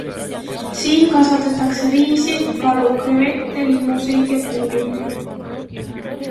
Siin kasvatatakse riisi, kalu, krevette, limuseid ja puuvilju.